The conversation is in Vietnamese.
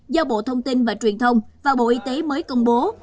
do bộ thông tin và truyền thông và bộ y tế mới công bố